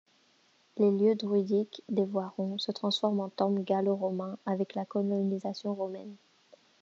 Les lieux druidiques des Voirons se transforment en temple gallo-romain avec la colonisation romaine.